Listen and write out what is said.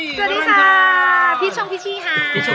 สวัสดีค่ะพิชชงพิชชิฮะ